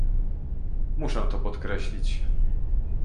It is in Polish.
Muszę to podkreślić